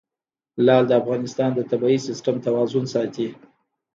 لعل د افغانستان د طبعي سیسټم توازن ساتي.